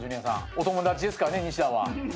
お友達ですからねニシダは。